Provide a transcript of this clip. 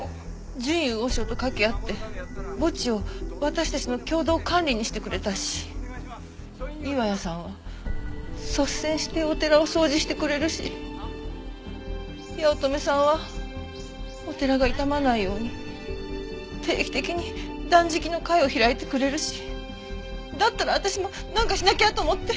淳雄和尚と掛け合って墓地を私たちの共同管理にしてくれたし岩谷さんは率先してお寺を掃除してくれるし八乙女さんはお寺が傷まないように定期的に断食の会を開いてくれるしだったら私もなんかしなきゃと思って。